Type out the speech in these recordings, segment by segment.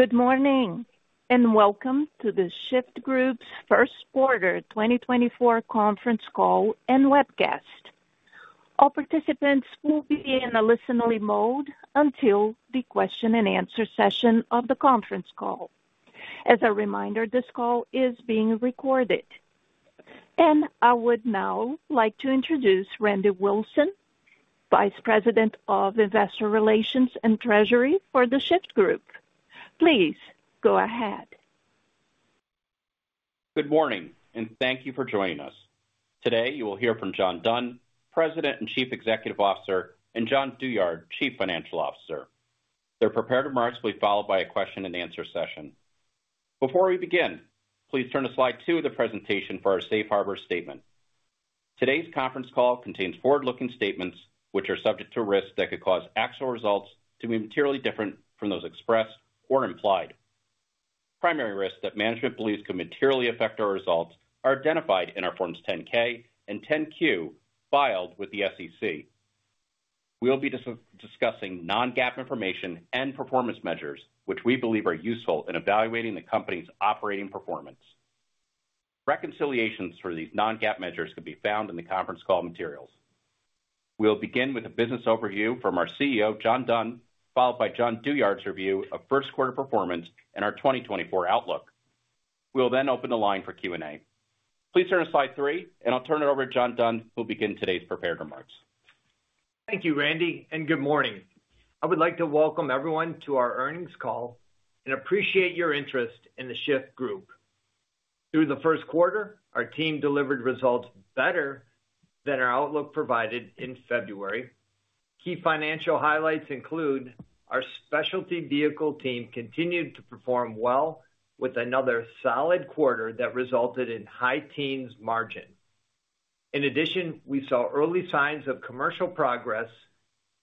Good morning, and welcome to The Shyft Group's first quarter 2024 conference call and webcast. All participants will be in a listen-only mode until the question and answer session of the conference call. As a reminder, this call is being recorded. I would now like to introduce Randy Wilson, Vice President of Investor Relations and Treasury for The Shyft Group. Please go ahead. Good morning, and thank you for joining us. Today, you will hear from John Dunn, President and Chief Executive Officer, and Jon Douyard, Chief Financial Officer. Their prepared remarks will be followed by a question and answer session. Before we begin, please turn to slide two of the presentation for our safe harbor statement. Today's conference call contains forward-looking statements which are subject to risks that could cause actual results to be materially different from those expressed or implied. Primary risks that management believes could materially affect our results are identified in our Form 10-K and Form 10-Q filed with the SEC. We'll be discussing non-GAAP information and performance measures, which we believe are useful in evaluating the company's operating performance. Reconciliations for these non-GAAP measures can be found in the conference call materials. We'll begin with a business overview from our CEO, John Dunn, followed by Jon Douyard's review of first quarter performance and our 2024 outlook. We'll then open the line for Q&A. Please turn to slide three, and I'll turn it over to John Dunn, who'll begin today's prepared remarks. Thank you, Randy, and good morning. I would like to welcome everyone to our earnings call and appreciate your interest in the Shyft Group. Through the first quarter, our team delivered results better than our outlook provided in February. Key financial highlights include our specialty vehicle team continued to perform well with another solid quarter that resulted in high teens margin. In addition, we saw early signs of commercial progress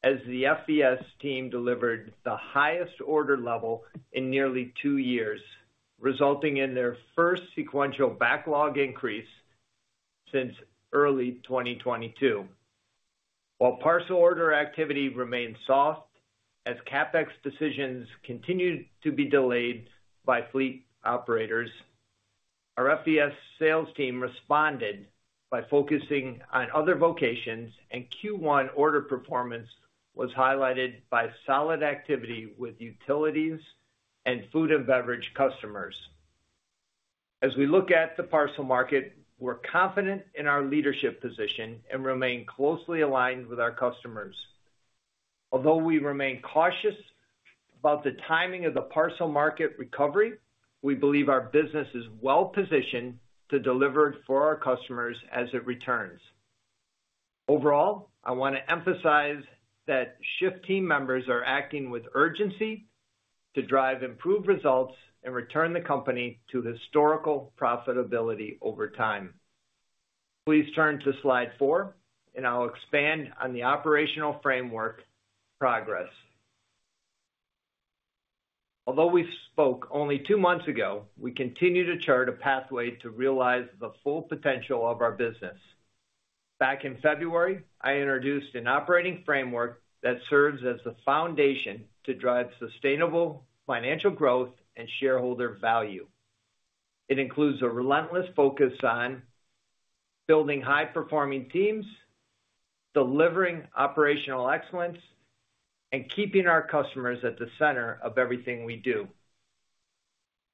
as the FVS team delivered the highest order level in nearly two years, resulting in their first sequential backlog increase since early 2022. While parcel order activity remained soft, as CapEx decisions continued to be delayed by fleet operators, our FVS sales team responded by focusing on other vocations, and Q1 order performance was highlighted by solid activity with utilities and food and beverage customers. As we look at the parcel market, we're confident in our leadership position and remain closely aligned with our customers. Although we remain cautious about the timing of the parcel market recovery, we believe our business is well positioned to deliver for our customers as it returns. Overall, I want to emphasize that Shyft team members are acting with urgency to drive improved results and return the company to historical profitability over time. Please turn to slide four, and I'll expand on the operational framework progress. Although we spoke only two months ago, we continue to chart a pathway to realize the full potential of our business. Back in February, I introduced an operating framework that serves as the foundation to drive sustainable financial growth and shareholder value. It includes a relentless focus on building high-performing teams, delivering operational excellence, and keeping our customers at the center of everything we do.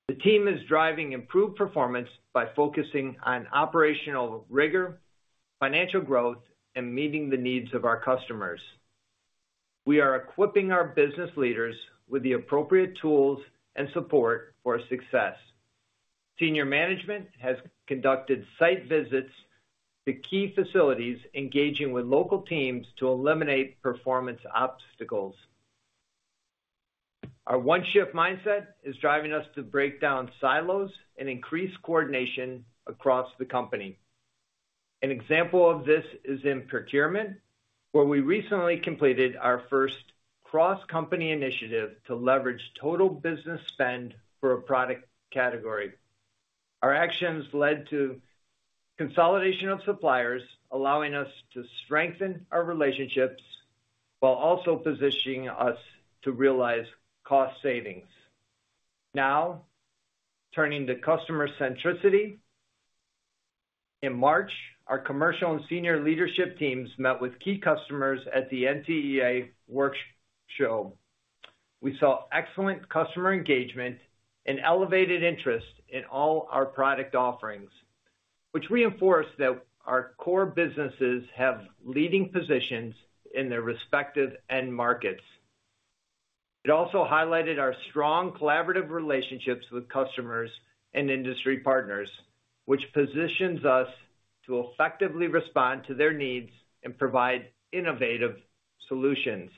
The team is driving improved performance by focusing on operational rigor, financial growth, and meeting the needs of our customers. We are equipping our business leaders with the appropriate tools and support for success. Senior management has conducted site visits to key facilities, engaging with local teams to eliminate performance obstacles. Our One Shyft mindset is driving us to break down silos and increase coordination across the company. An example of this is in procurement, where we recently completed our first cross-company initiative to leverage total business spend for a product category. Our actions led to consolidation of suppliers, allowing us to strengthen our relationships while also positioning us to realize cost savings. Now, turning to customer centricity. In March, our commercial and senior leadership teams met with key customers at the NTEA Workshop. We saw excellent customer engagement and elevated interest in all our product offerings, which reinforced that our core businesses have leading positions in their respective end markets. It also highlighted our strong collaborative relationships with customers and industry partners, which positions us to effectively respond to their needs and provide innovative solutions.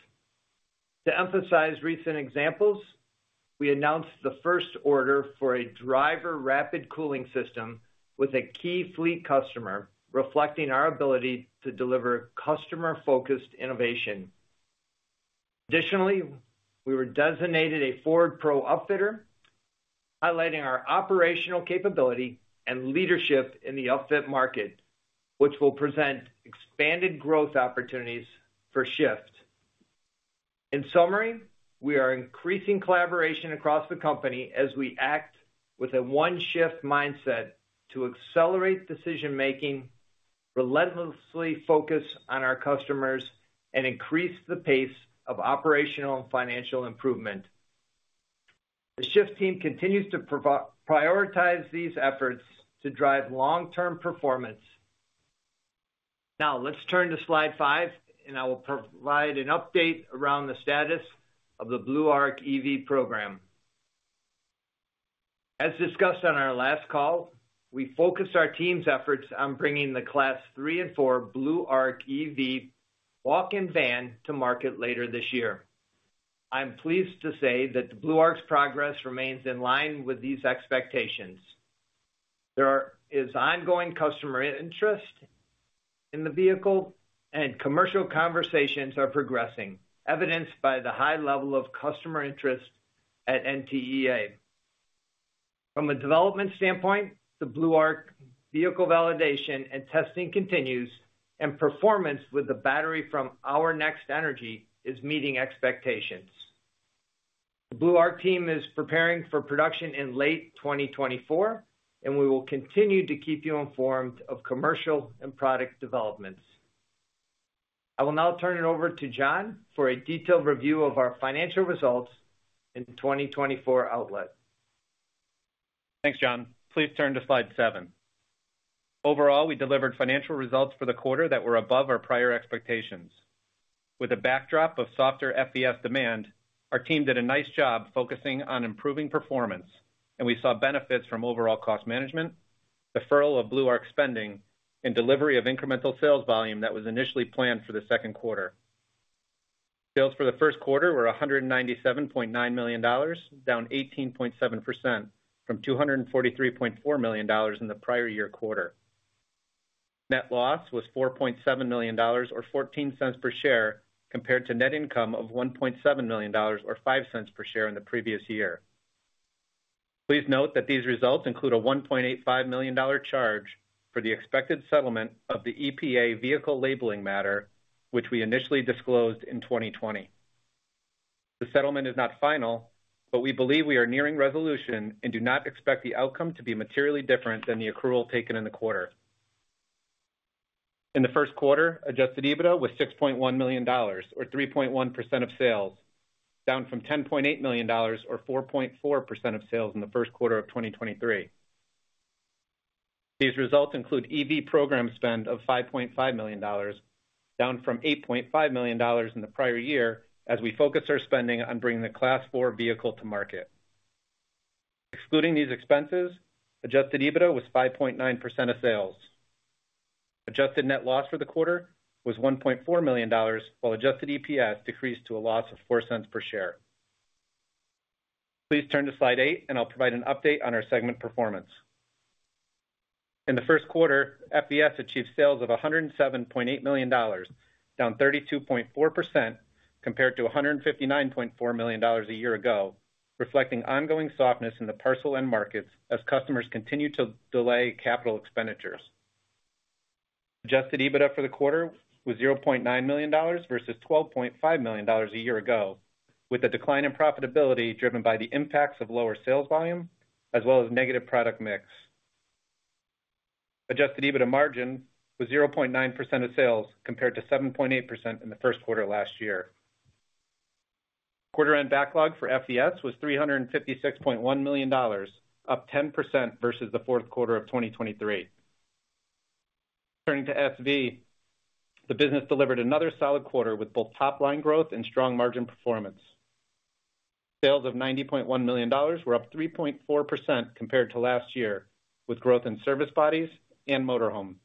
To emphasize recent examples, we announced the first order for a driver rapid cooling system with a key fleet customer, reflecting our ability to deliver customer-focused innovation. Additionally, we were designated a Ford Pro Upfitter, highlighting our operational capability and leadership in the upfit market, which will present expanded growth opportunities for Shyft. In summary, we are increasing collaboration across the company as we act with a One Shyft mindset to accelerate decision-making, relentlessly focus on our customers, and increase the pace of operational and financial improvement. The Shyft team continues to prioritize these efforts to drive long-term performance. Now, let's turn to slide five, and I will provide an update around the status of the Blue Arc EV program. As discussed on our last call, we focused our team's efforts on bringing the Class 3 and 4 Blue Arc EV walk-in van to market later this year. I'm pleased to say that the Blue Arc's progress remains in line with these expectations. There is ongoing customer interest in the vehicle, and commercial conversations are progressing, evidenced by the high level of customer interest at NTEA. From a development standpoint, the Blue Arc vehicle validation and testing continues, and performance with the battery from Our Next Energy is meeting expectations. The Blue Arc team is preparing for production in late 2024, and we will continue to keep you informed of commercial and product developments. I will now turn it over to Jon for a detailed review of our financial results in the 2024 outlook. Thanks, John. Please turn to slide seven. Overall, we delivered financial results for the quarter that were above our prior expectations. With a backdrop of softer FVS demand, our team did a nice job focusing on improving performance, and we saw benefits from overall cost management, the furlough of Blue Arc spending, and delivery of incremental sales volume that was initially planned for the second quarter. Sales for the first quarter were $197.9 million, down 18.7% from $243.4 million in the prior year quarter. Net loss was $4.7 million, or $0.14 per share, compared to net income of $1.7 million, or $0.05 per share in the previous year. Please note that these results include a $1.85 million charge for the expected settlement of the EPA vehicle labeling matter, which we initially disclosed in 2020. The settlement is not final, but we believe we are nearing resolution and do not expect the outcome to be materially different than the accrual taken in the quarter. In the first quarter, adjusted EBITDA was $6.1 million, or 3.1% of sales, down from $10.8 million or 4.4% of sales in the first quarter of 2023. These results include EV program spend of $5.5 million, down from $8.5 million in the prior year, as we focus our spending on bringing the Class 4 vehicle to market. Excluding these expenses, adjusted EBITDA was 5.9% of sales. Adjusted net loss for the quarter was $1.4 million, while adjusted EPS decreased to a loss of $0.04 per share. Please turn to slide eight, and I'll provide an update on our segment performance. In the first quarter, FVS achieved sales of $107.8 million, down 32.4% compared to $159.4 million a year ago, reflecting ongoing softness in the parcel end markets as customers continue to delay capital expenditures. Adjusted EBITDA for the quarter was $0.9 million versus $12.5 million a year ago, with a decline in profitability driven by the impacts of lower sales volume as well as negative product mix. Adjusted EBITDA margin was 0.9% of sales, compared to 7.8% in the first quarter last year. Quarter-end backlog for FES was $356.1 million, up 10% versus the fourth quarter of 2023. Turning to SV, the business delivered another solid quarter with both top-line growth and strong margin performance. Sales of $90.1 million were up 3.4% compared to last year, with growth in service bodies and motorhome.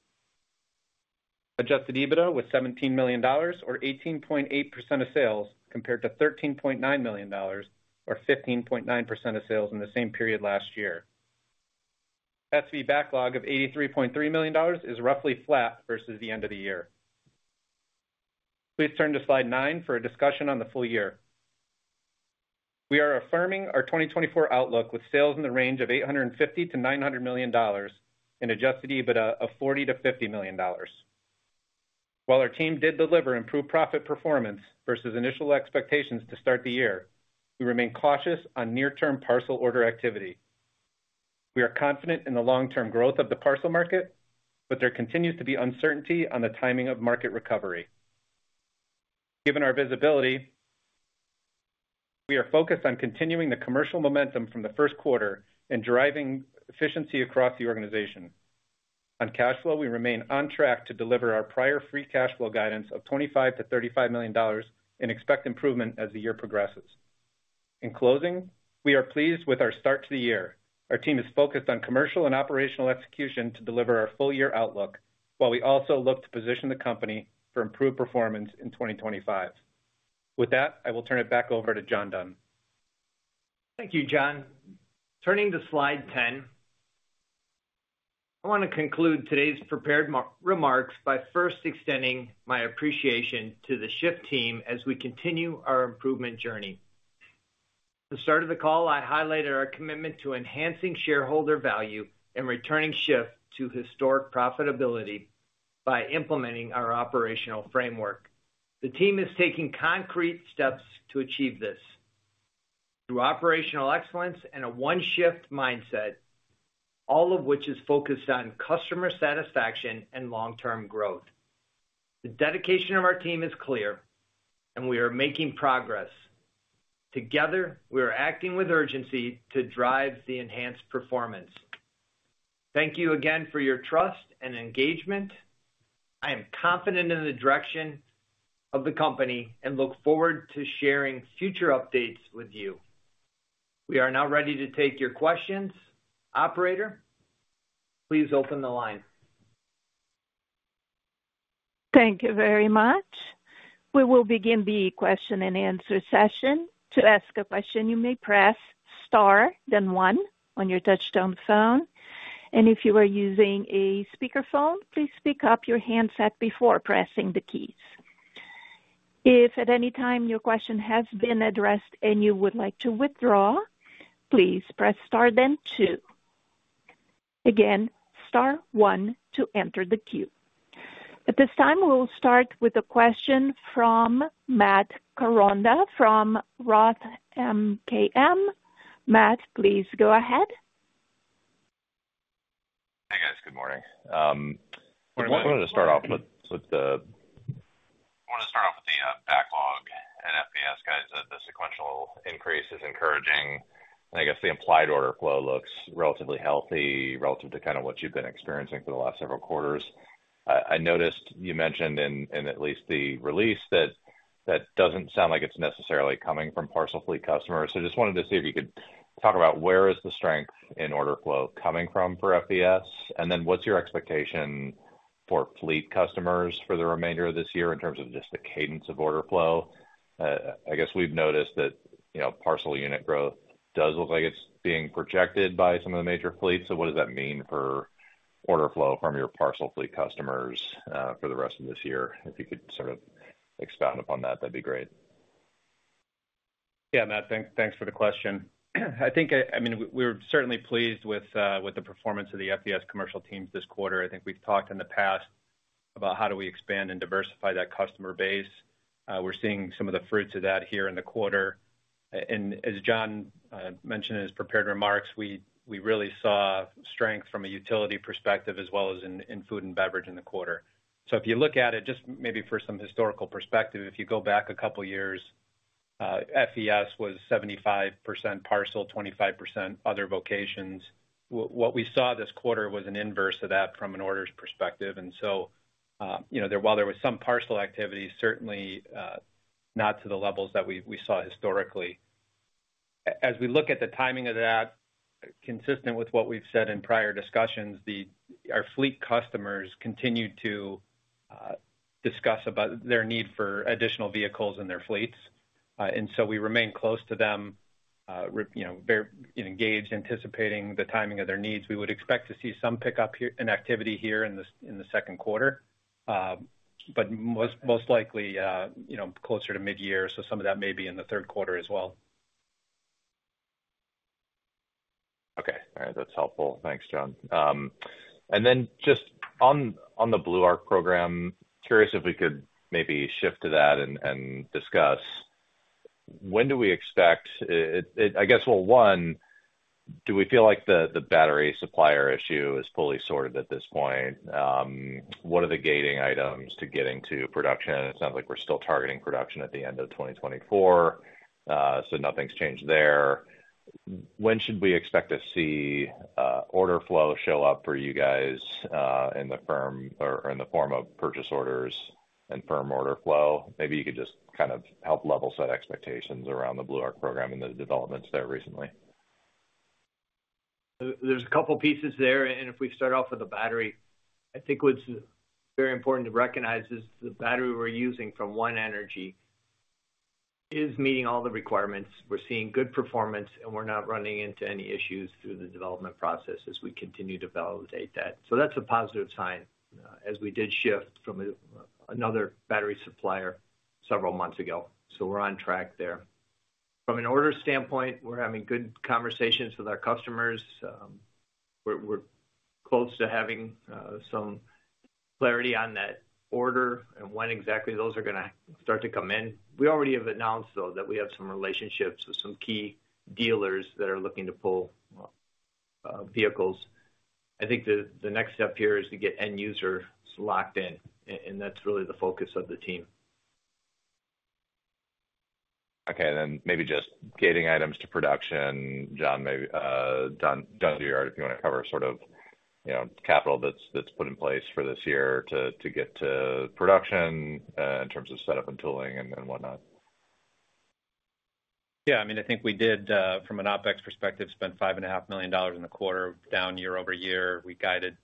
Adjusted EBITDA was $17 million, or 18.8% of sales, compared to $13.9 million, or 15.9% of sales in the same period last year. SV backlog of $83.3 million is roughly flat versus the end of the year. Please turn to slide nine for a discussion on the full year. We are affirming our 2024 outlook with sales in the range of $850 million-$900 million and Adjusted EBITDA of $40 million-$50 million. While our team did deliver improved profit performance versus initial expectations to start the year, we remain cautious on near-term parcel order activity. We are confident in the long-term growth of the parcel market, but there continues to be uncertainty on the timing of market recovery. Given our visibility, we are focused on continuing the commercial momentum from the first quarter and driving efficiency across the organization. On cash flow, we remain on track to deliver our prior free cash flow guidance of $25 million-$35 million and expect improvement as the year progresses. In closing, we are pleased with our start to the year. Our team is focused on commercial and operational execution to deliver our full-year outlook, while we also look to position the company for improved performance in 2025. With that, I will turn it back over to John Dunn. Thank you, Jon. Turning to slide 10.... I want to conclude today's prepared remarks by first extending my appreciation to the Shyft team as we continue our improvement journey. At the start of the call, I highlighted our commitment to enhancing shareholder value and returning Shyft to historic profitability by implementing our operational framework. The team is taking concrete steps to achieve this through operational excellence and a One Shyft mindset, all of which is focused on customer satisfaction and long-term growth. The dedication of our team is clear, and we are making progress. Together, we are acting with urgency to drive the enhanced performance. Thank you again for your trust and engagement. I am confident in the direction of the company and look forward to sharing future updates with you. We are now ready to take your questions. Operator, please open the line. Thank you very much. We will begin the question and answer session. To ask a question, you may press star, then one on your touchtone phone, and if you are using a speakerphone, please pick up your handset before pressing the keys. If at any time your question has been addressed and you would like to withdraw, please press star, then two. Again, star one to enter the queue. At this time, we'll start with a question from Matt Koranda, from Roth MKM. Matt, please go ahead. Hi, guys. Good morning. I want to start off with the backlog at FVS, guys. The sequential increase is encouraging, and I guess the implied order flow looks relatively healthy relative to kind of what you've been experiencing for the last several quarters. I noticed you mentioned in at least the release, that that doesn't sound like it's necessarily coming from parcel fleet customers. So just wanted to see if you could talk about where is the strength in order flow coming from for FVS, and then what's your expectation for fleet customers for the remainder of this year in terms of just the cadence of order flow? I guess we've noticed that, you know, parcel unit growth does look like it's being projected by some of the major fleets. What does that mean for order flow from your parcel fleet customers, for the rest of this year? If you could sort of expound upon that, that'd be great. Yeah, Matt, thanks, thanks for the question. I think, I mean, we're certainly pleased with the performance of the FVS commercial teams this quarter. I think we've talked in the past about how do we expand and diversify that customer base. We're seeing some of the fruits of that here in the quarter. And as Jon mentioned in his prepared remarks, we really saw strength from a utility perspective as well as in food and beverage in the quarter. So if you look at it, just maybe for some historical perspective, if you go back a couple of years, FVS was 75% parcel, 25% other vocations. What we saw this quarter was an inverse of that from an orders perspective. You know, while there was some parcel activity, certainly, not to the levels that we saw historically. As we look at the timing of that, consistent with what we've said in prior discussions, our fleet customers continued to discuss about their need for additional vehicles in their fleets. And so we remain close to them, you know, very engaged, anticipating the timing of their needs. We would expect to see some pickup in activity in the second quarter, but most likely, you know, closer to mid-year, so some of that may be in the third quarter as well. Okay. All right. That's helpful. Thanks, John. And then just on the Blue Arc program, curious if we could maybe shift to that and discuss. When do we expect? I guess, well, one, do we feel like the battery supplier issue is fully sorted at this point? What are the gating items to getting to production? It sounds like we're still targeting production at the end of 2024, so nothing's changed there. When should we expect to see order flow show up for you guys in the form of purchase orders and firm order flow? Maybe you could just kind of help level set expectations around the Blue Arc program and the developments there recently. There, there's a couple pieces there, and if we start off with the battery, I think what's very important to recognize is the battery we're using from ONE energy is meeting all the requirements. We're seeing good performance, and we're not running into any issues through the development process as we continue to validate that. So that's a positive sign, as we did shift from another battery supplier several months ago. So we're on track there. From an order standpoint, we're having good conversations with our customers. We're close to having some clarity on that order and when exactly those are gonna start to come in. We already have announced, though, that we have some relationships with some key dealers that are looking to pull vehicles. I think the next step here is to get end users locked in, and that's really the focus of the team. Okay, then maybe just gating items to production, John, maybe Jon, Jon Douyard, if you want to cover sort of, you know, capital that's put in place for this year to get to production in terms of setup and tooling and whatnot. Yeah, I mean, I think we did, from an OpEx perspective, spent $5.5 million in the quarter, down year-over-year. We guided,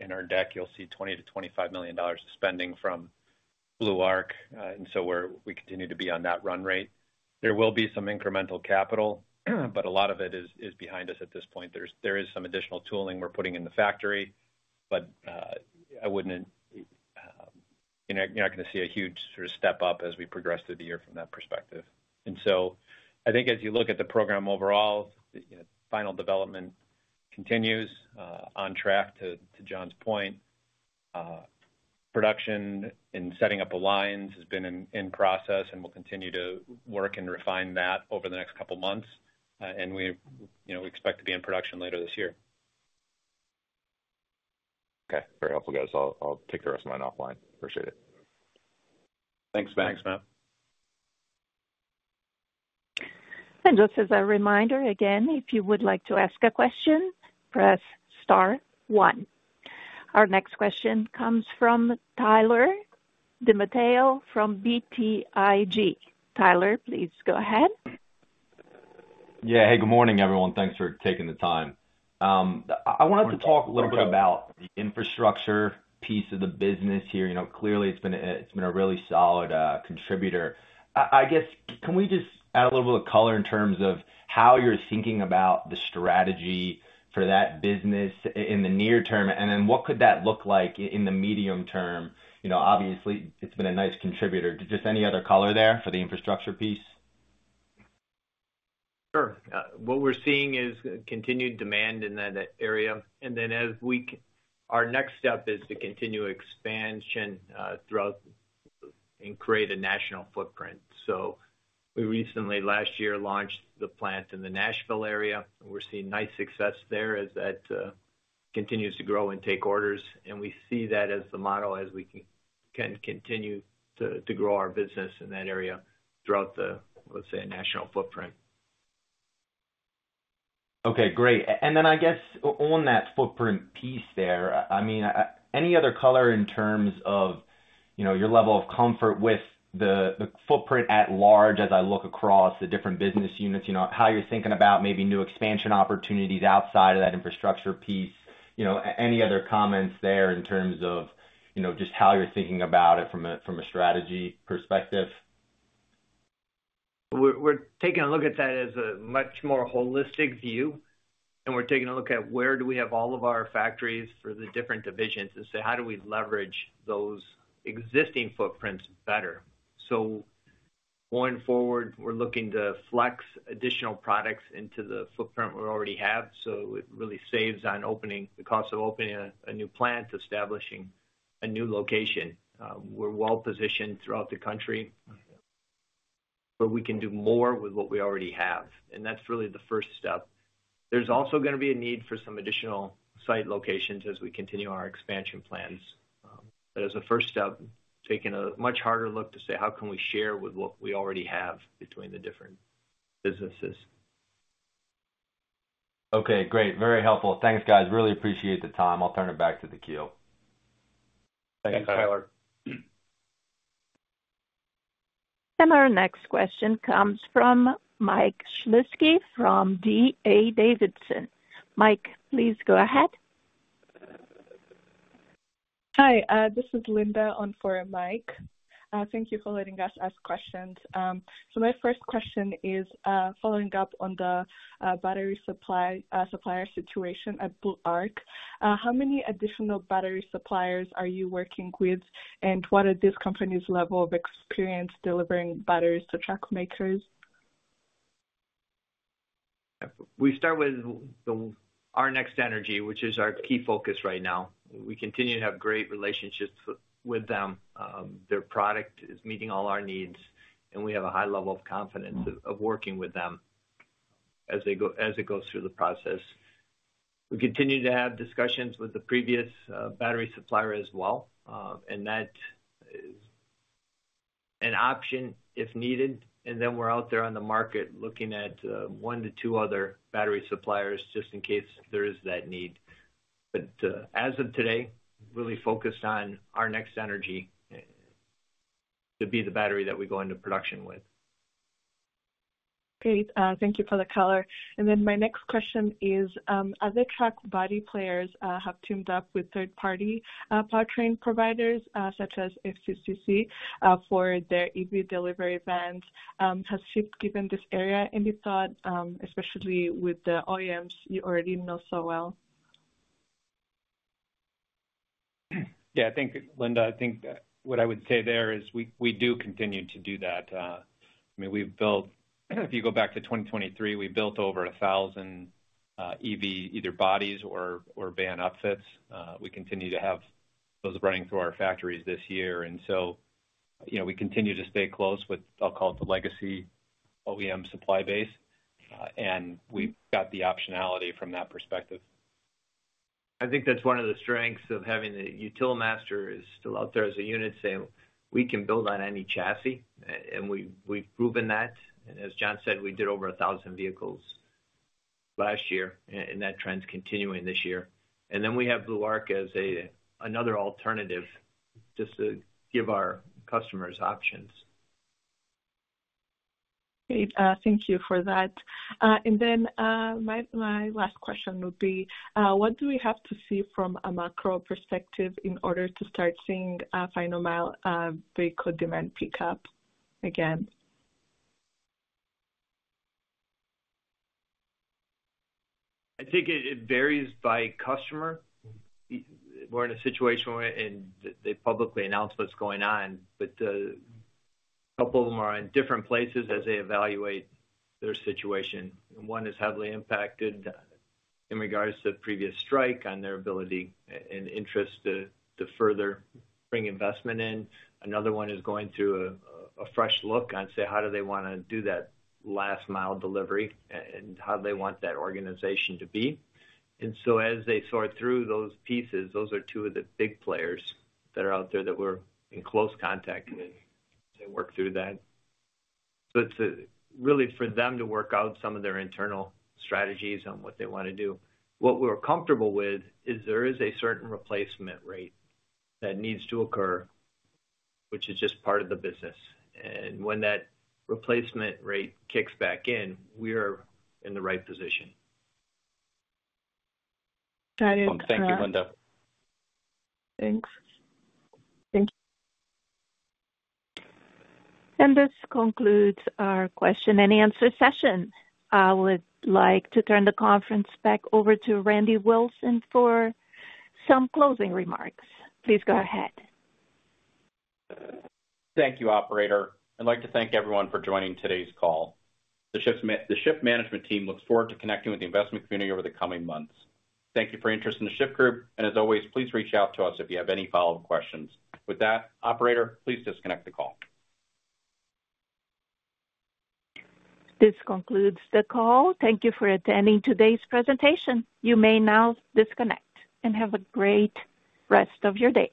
in our deck, you'll see $20 million-$25 million of spending from Blue Arc. And so we continue to be on that run rate. There will be some incremental capital, but a lot of it is behind us at this point. There is some additional tooling we're putting in the factory, but I wouldn't, you're not gonna see a huge sort of step up as we progress through the year from that perspective. And so I think as you look at the program overall, you know, final development continues on track to John's point. Production in setting up the lines has been in process, and we'll continue to work and refine that over the next couple of months. And we, you know, we expect to be in production later this year. Okay, very helpful, guys. I'll, I'll take the rest of mine offline. Appreciate it. Thanks, Matt. Thanks, Matt. Just as a reminder, again, if you would like to ask a question, press star one. Our next question comes from Tyler DiMatteo, from BTIG. Tyler, please go ahead. Yeah. Hey, good morning, everyone. Thanks for taking the time. I wanted to talk a little bit about the infrastructure piece of the business here. You know, clearly, it's been a really solid contributor. I guess, can we just add a little bit of color in terms of how you're thinking about the strategy for that business in the near term, and then what could that look like in the medium term? You know, obviously, it's been a nice contributor. Just any other color there for the infrastructure piece? Sure. What we're seeing is continued demand in that area, and then as our next step is to continue expansion throughout and create a national footprint. So we recently, last year, launched the plant in the Nashville area, and we're seeing nice success there as that continues to grow and take orders. And we see that as the model as we can continue to grow our business in that area throughout the, let's say, national footprint. Okay, great. And then I guess on that footprint piece there, I mean, any other color in terms of, you know, your level of comfort with the footprint at large as I look across the different business units, you know, how you're thinking about maybe new expansion opportunities outside of that infrastructure piece? You know, any other comments there in terms of, you know, just how you're thinking about it from a strategy perspective? We're taking a look at that as a much more holistic view, and we're taking a look at where do we have all of our factories for the different divisions, and so how do we leverage those existing footprints better? So going forward, we're looking to flex additional products into the footprint we already have, so it really saves on opening the cost of opening a new plant, establishing a new location. We're well-positioned throughout the country, but we can do more with what we already have, and that's really the first step. There's also gonna be a need for some additional site locations as we continue our expansion plans. But as a first step, taking a much harder look to say, how can we share with what we already have between the different businesses? Okay, great. Very helpful. Thanks, guys. Really appreciate the time. I'll turn it back to the queue. Thank you, Tyler. Our next question comes from Mike Shlisky from D.A. Davidson. Mike, please go ahead. Hi, this is Linda on for Mike. Thank you for letting us ask questions. My first question is, following up on the battery supply supplier situation at Blue Arc. How many additional battery suppliers are you working with, and what are these companies' level of experience delivering batteries to truck makers? We start with Our Next Energy, which is our key focus right now. We continue to have great relationships with them. Their product is meeting all our needs, and we have a high level of confidence of working with them as it goes through the process. We continue to have discussions with the previous battery supplier as well, and that is an option if needed, and then we're out there on the market, looking at 1-2 other battery suppliers, just in case there is that need. But as of today, really focused on Our Next Energy to be the battery that we go into production with. Great. Thank you for the color. And then my next question is, other truck body players have teamed up with third-party powertrain providers, such as FCCC, for their EV delivery vans. Has Shyft given this area any thought, especially with the OEMs you already know so well? Yeah, I think, Linda, I think what I would say there is we, we do continue to do that. I mean, we've built, if you go back to 2023, we built over 1,000 EV, either bodies or van upfits. We continue to have those running through our factories this year, and so, you know, we continue to stay close with, I'll call it, the legacy OEM supply base, and we've got the optionality from that perspective. I think that's one of the strengths of having the Utilimaster still out there as a unit, saying, "We can build on any chassis," and we've proven that. And as John said, we did over 1,000 vehicles last year, and that trend's continuing this year. And then we have Blue Arc as another alternative, just to give our customers options. Great, thank you for that. And then, my last question would be, what do we have to see from a macro perspective in order to start seeing final mile vehicle demand pick up again? I think it varies by customer. We're in a situation where, and they publicly announce what's going on, but, a couple of them are in different places as they evaluate their situation. And one is heavily impacted, in regards to the previous strike on their ability and interest to further bring investment in. Another one is going through a fresh look on, say, how do they wanna do that last mile delivery, and how do they want that organization to be? And so as they sort through those pieces, those are two of the big players that are out there that we're in close contact with to work through that. So it's really for them to work out some of their internal strategies on what they want to do. What we're comfortable with is there is a certain replacement rate that needs to occur, which is just part of the business, and when that replacement rate kicks back in, we are in the right position. That is. Thank you, Linda. Thanks. Thank you. This concludes our question and answer session. I would like to turn the conference back over to Randy Wilson for some closing remarks. Please go ahead. Thank you, operator. I'd like to thank everyone for joining today's call. The Shyft management team looks forward to connecting with the investment community over the coming months. Thank you for your interest in The Shyft Group, and as always, please reach out to us if you have any follow-up questions. With that, operator, please disconnect the call. This concludes the call. Thank you for attending today's presentation. You may now disconnect, and have a great rest of your day.